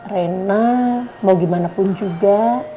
rena mau gimana pun juga